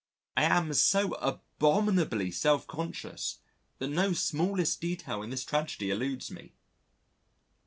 I am so abominably self conscious that no smallest detail in this tragedy eludes me.